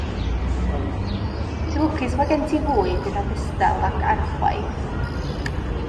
Ti'n lwcus fod gen ti fwyd yn ogystal ag archwaeth.